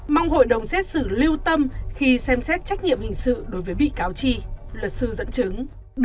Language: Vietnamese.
mong hội đồng xét xử lưu tâm khi xem xét trách nhiệm hình sự đối với bị cáo chi luật sư dẫn chứng